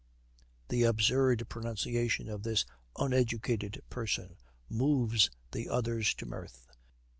The absurd pronunciation of this uneducated person moves the others to mirth.